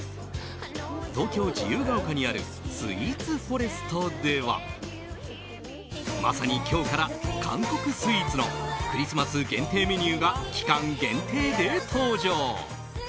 東京・自由が丘にあるスイーツフォレストではまさに今日から韓国スイーツのクリスマス限定メニューが期間限定で登場。